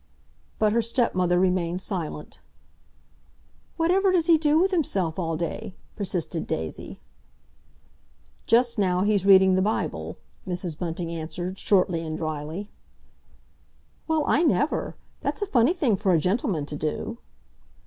But her stepmother remained silent. "Whatever does he do with himself all day?" persisted Daisy. "Just now he's reading the Bible," Mrs. Bunting answered, shortly and dryly. "Well, I never! That's a funny thing for a gentleman to do!"